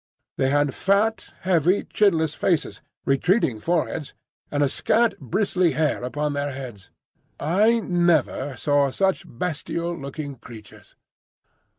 They had fat, heavy, chinless faces, retreating foreheads, and a scant bristly hair upon their heads. I never saw such bestial looking creatures.